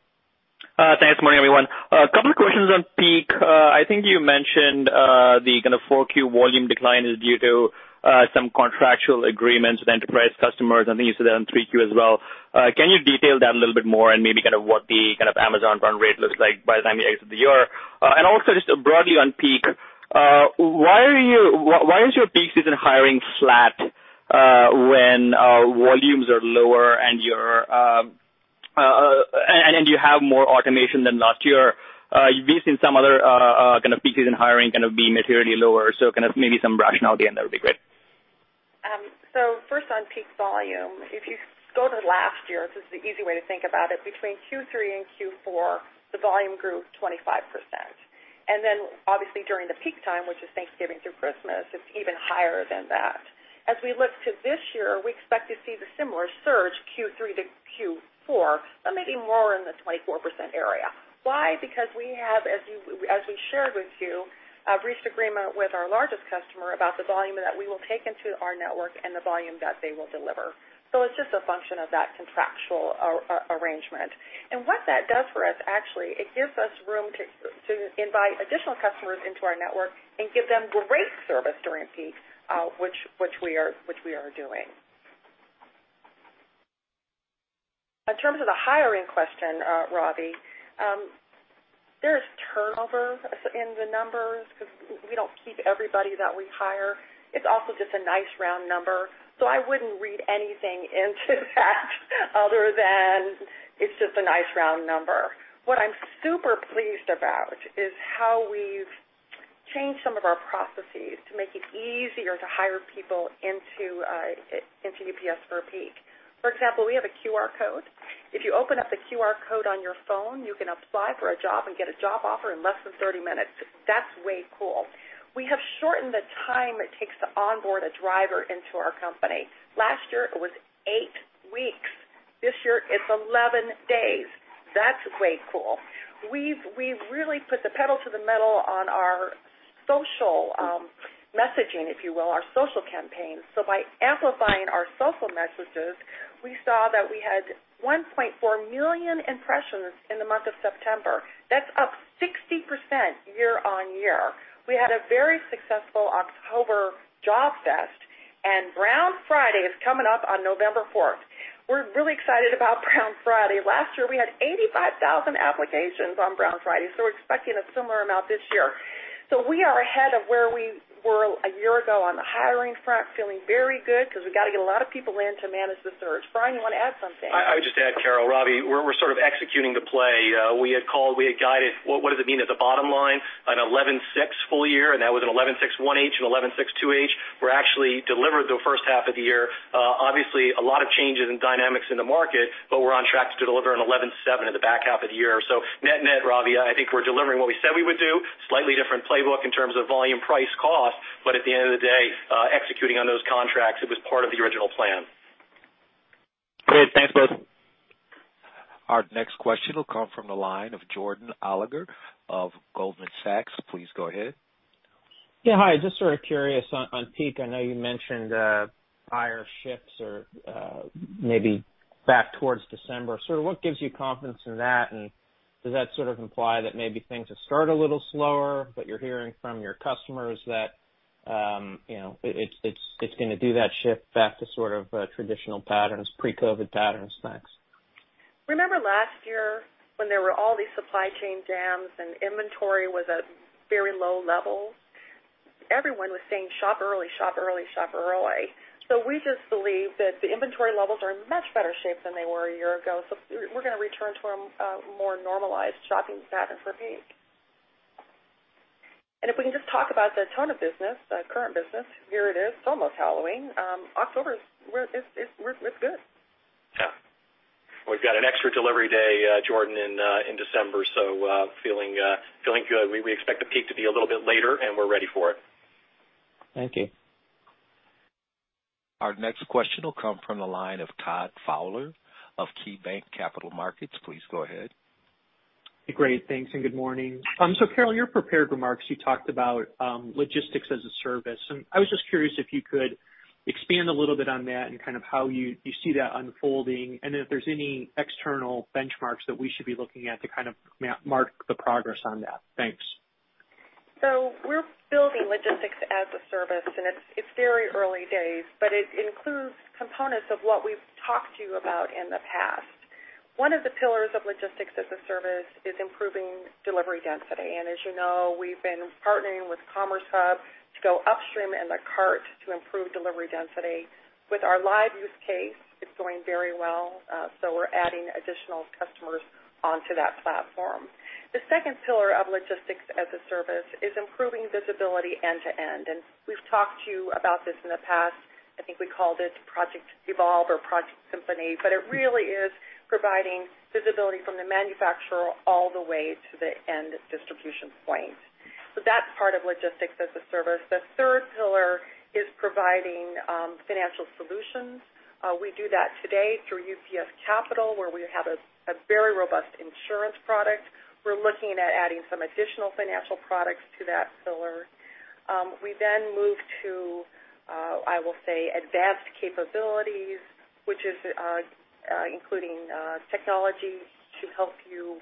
Speaker 12: Thanks. Morning, everyone. A couple of questions on peak. I think you mentioned the kind of 4Q volume decline is due to some contractual agreements with enterprise customers. I think you said that in 3Q as well. Can you detail that a little bit more and maybe kind of what the kind of Amazon run rate looks like by the time you exit the year? Also just broadly on peak, why is your peak season hiring flat when volumes are lower and you have more automation than last year? We've seen some other kind of peak season hiring kind of be materially lower, so kind of maybe some rationale at the end there would be great.
Speaker 3: First on peak volume, if you go to last year, this is the easy way to think about it, between Q3 and Q4, the volume grew 25%. Obviously during the peak time, which is Thanksgiving through Christmas, it's even higher than that. As we look to this year, we expect to see the similar surge Q3 to Q4, but maybe more in the 24% area. Why? Because we have, as we shared with you, reached agreement with our largest customer about the volume that we will take into our network and the volume that they will deliver. It's just a function of that contractual arrangement. What that does for us, actually, it gives us room to invite additional customers into our network and give them great service during peak, which we are doing. In terms of the hiring question, Ravi, there is turnover in the numbers because we don't keep everybody that we hire. It's also just a nice round number, so I wouldn't read anything into that other than it's just a nice round number. What I'm super pleased about is how we've changed some of our processes to make it easier to hire people into UPS for peak. For example, we have a QR code. If you open up the QR code on your phone, you can apply for a job and get a job offer in less than 30 minutes. That's way cool. We have shortened the time it takes to onboard a driver into our company. Last year it was eight weeks. This year it's 11 days. That's way cool. We've really put the pedal to the metal on our social messaging, if you will, our social campaigns. By amplifying our social messages, we saw that we had 1.4 million impressions in the month of September. That's up 60% year-over-year. We had a very successful October job fest, and Brown Friday is coming up on November fourth. We're really excited about Brown Friday. Last year, we had 85,000 applications on Brown Friday, so we're expecting a similar amount this year. We are ahead of where we were a year ago on the hiring front, feeling very good because we've got to get a lot of people in to manage the surge. Brian, you want to add something?
Speaker 4: I would just add, Carol, Ravi, we're sort of executing the play. We had called, we had guided what does it mean at the bottom line, a $11.6 full year, and that was a $11.6 1H and $11.6 2H. We've actually delivered the first half of the year. Obviously a lot of changes in dynamics in the market, but we're on track to deliver a $11.7 in the back half of the year. Net-net, Ravi, I think we're delivering what we said we would do, slightly different playbook in terms of volume, price, cost, but at the end of the day, executing on those contracts. It was part of the original plan.
Speaker 12: Great. Thanks, both.
Speaker 1: Our next question will come from the line of Jordan Alliger of Goldman Sachs. Please go ahead.
Speaker 13: Yeah. Hi. Just sort of curious on peak. I know you mentioned higher shifts or maybe back towards December. Sort of what gives you confidence in that? And does that sort of imply that maybe things will start a little slower, but you're hearing from your customers that you know, it's gonna do that shift back to sort of traditional patterns, pre-COVID patterns? Thanks.
Speaker 3: Remember last year when there were all these supply chain jams and inventory was at very low levels? Everyone was saying, "Shop early, shop early, shop early." We just believe that the inventory levels are in much better shape than they were a year ago. We're gonna return to a more normalized shopping pattern for peak. If we can just talk about the ton of business, the current business, here it is. It's almost Halloween. October is good.
Speaker 4: Yeah. We've got an extra delivery day, Jordan, in December, so feeling good. We expect the peak to be a little bit later, and we're ready for it.
Speaker 13: Thank you.
Speaker 1: Our next question will come from the line of Todd Fowler of KeyBanc Capital Markets. Please go ahead.
Speaker 14: Great. Thanks. Good morning. Carol, your prepared remarks, you talked about logistics as a service, and I was just curious if you could expand a little bit on that and kind of how you see that unfolding and if there's any external benchmarks that we should be looking at to kind of mark the progress on that. Thanks.
Speaker 3: We're building logistics as a service, and it's very early days, but it includes components of what we've talked to you about in the past. One of the pillars of logistics as a service is improving delivery density. As you know, we've been partnering with CommerceHub to go upstream in the cart to improve delivery density. With our live use case, it's going very well, so we're adding additional customers onto that platform. The second pillar of logistics as a service is improving visibility end to end. We've talked to you about this in the past. I think we called it Project Evolve or Project Symphony. It really is providing visibility from the manufacturer all the way to the end distribution point. That's part of logistics as a service. The third pillar is providing financial solutions. We do that today through UPS Capital, where we have a very robust insurance product. We're looking at adding some additional financial products to that pillar. We move to advanced capabilities, which is including technology to help you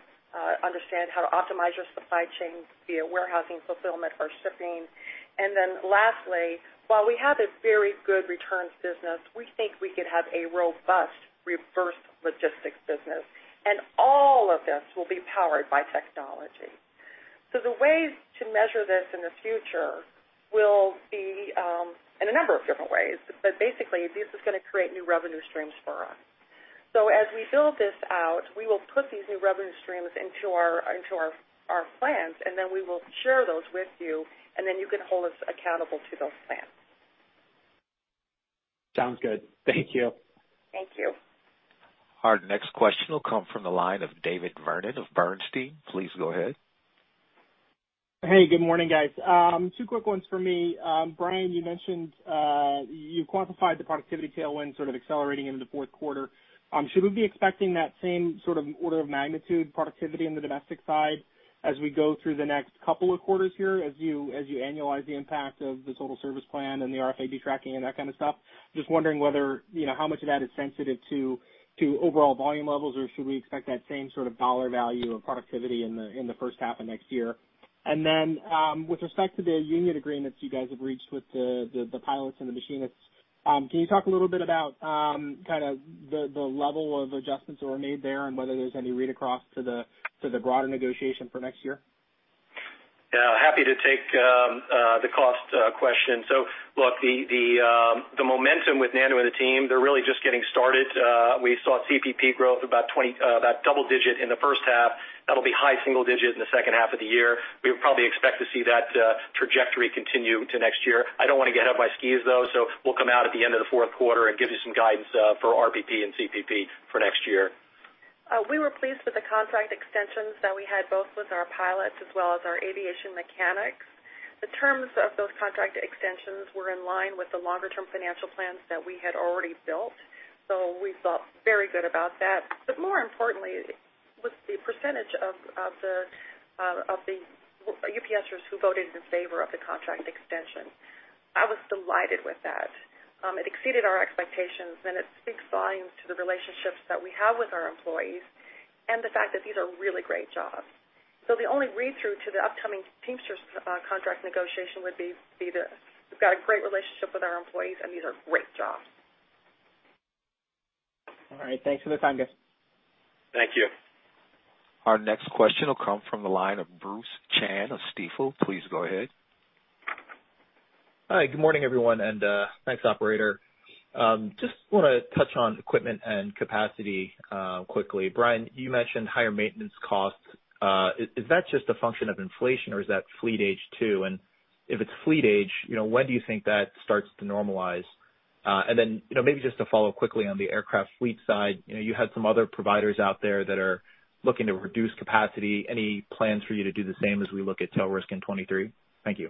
Speaker 3: understand how to optimize your supply chain via warehousing, fulfillment, or shipping. Lastly, while we have a very good returns business, we think we could have a robust reverse logistics business. All of this will be powered by technology. The ways to measure this in the future will be in a number of different ways. Basically, this is gonna create new revenue streams for us. As we build this out, we will put these new revenue streams into our plans, and then we will share those with you, and then you can hold us accountable to those plans.
Speaker 14: Sounds good. Thank you.
Speaker 3: Thank you.
Speaker 1: Our next question will come from the line of David Vernon of AllianceBernstein. Please go ahead.
Speaker 15: Hey, good morning, guys. Two quick ones for me. Brian, you mentioned you quantified the productivity tailwind sort of accelerating into the fourth quarter. Should we be expecting that same sort of order of magnitude productivity in the domestic side as we go through the next couple of quarters here as you annualize the impact of the Total Service Plan and the RFID tracking and that kind of stuff? Just wondering whether, you know, how much of that is sensitive to overall volume levels, or should we expect that same sort of dollar value or productivity in the first half of next year? With respect to the union agreements you guys have reached with the pilots and the machinists, can you talk a little bit about kinda the level of adjustments that were made there and whether there's any read across to the broader negotiation for next year?
Speaker 4: Yeah, happy to take the cost question. Look, the momentum with Nando and the team, they're really just getting started. We saw CPP growth about double digit in the first half. That'll be high single digit in the second half of the year. We would probably expect to see that trajectory continue to next year. I don't wanna get out my skis, though, so we'll come out at the end of the fourth quarter and give you some guidance for RPP and CPP for next year.
Speaker 3: We were pleased with the contract extensions that we had both with our pilots as well as our aviation mechanics. The terms of those contract extensions were in line with the longer term financial plans that we had already built. We felt very good about that. More importantly was the percentage of the UPSers who voted in favor of the contract extension. I was delighted with that. It exceeded our expectations, and it speaks volumes to the relationships that we have with our employees and the fact that these are really great jobs. The only read-through to the upcoming Teamsters contract negotiation would be this. We've got a great relationship with our employees, and these are great jobs.
Speaker 15: All right. Thanks for the time, guys.
Speaker 4: Thank you.
Speaker 1: Our next question will come from the line of Bruce Chan of Stifel. Please go ahead.
Speaker 16: Hi. Good morning, everyone, and thanks, operator. Just wanna touch on equipment and capacity quickly. Brian, you mentioned higher maintenance costs. Is that just a function of inflation, or is that fleet age too? If it's fleet age, you know, when do you think that starts to normalize? You know, maybe just to follow quickly on the aircraft fleet side, you know, you had some other providers out there that are looking to reduce capacity. Any plans for you to do the same as we look at tail risk in 2023? Thank you.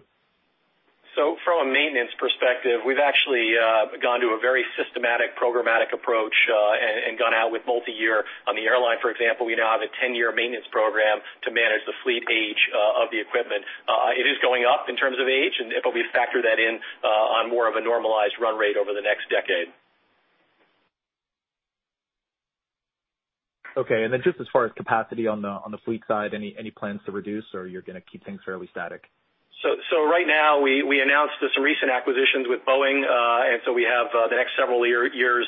Speaker 4: From a maintenance perspective, we've actually gone to a very systematic programmatic approach and gone out with multiyear. On the airline, for example, we now have a 10-year maintenance program to manage the fleet age of the equipment. It is going up in terms of age, but we factor that in on more of a normalized run rate over the next decade.
Speaker 16: Okay. Just as far as capacity on the fleet side, any plans to reduce, or you're gonna keep things fairly static?
Speaker 4: Right now, we announced this recent acquisition with Boeing, and we have the next several years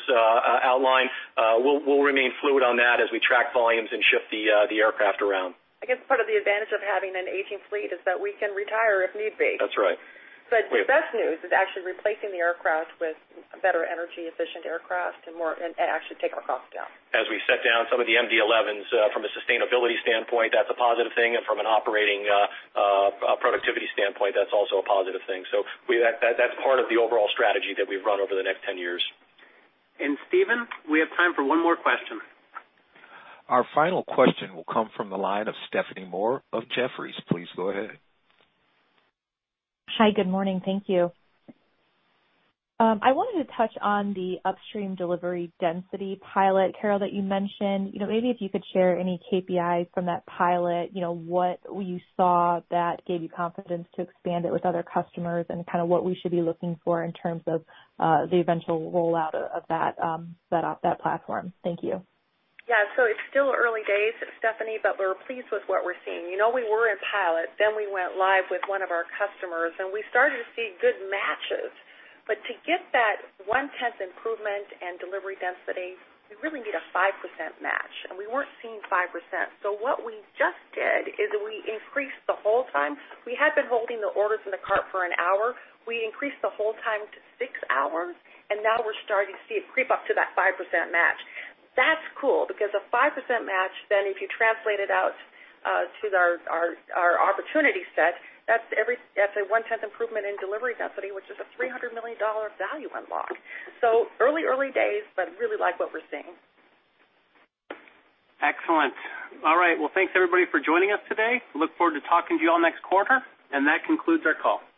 Speaker 4: outlined. We'll remain fluid on that as we track volumes and shift the aircraft around.
Speaker 3: I guess part of the advantage of having an aging fleet is that we can retire if need be.
Speaker 4: That's right.
Speaker 3: The best news is actually replacing the aircraft with better energy efficient aircraft and more actually take our costs down.
Speaker 4: As we set down some of the MD-11s, from a sustainability standpoint, that's a positive thing. From an operating productivity standpoint, that's also a positive thing. That's part of the overall strategy that we've run over the next 10 years.
Speaker 1: And Stephen, we have time for one more question. Our final question will come from the line of Stephanie Moore of Jefferies. Please go ahead.
Speaker 17: Hi. Good morning. Thank you. I wanted to touch on the upstream delivery density pilot, Carol, that you mentioned. You know, maybe if you could share any KPIs from that pilot, you know, what you saw that gave you confidence to expand it with other customers and kinda what we should be looking for in terms of the eventual rollout of that platform. Thank you.
Speaker 3: Yeah. It's still early days, Stephanie, but we're pleased with what we're seeing. You know, we were in pilot, then we went live with one of our customers, and we started to see good matches. To get that one-tenth improvement in delivery density, we really need a 5% match, and we weren't seeing 5%. What we just did is we increased the hold time. We had been holding the orders in the cart for an hour. We increased the hold time to six hours, and now we're starting to see it creep up to that 5% match. That's cool because a 5% match, then if you translate it out to our opportunity set, that's a one-tenth improvement in delivery density, which is a $300 million value unlock. Early days, but really like what we're seeing.
Speaker 1: Excellent. All right. Well, thanks everybody for joining us today. Look forward to talking to you all next quarter. That concludes our call.